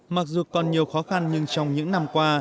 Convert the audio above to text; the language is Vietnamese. mặc dù còn nhiều khó khăn nhưng trong những năm qua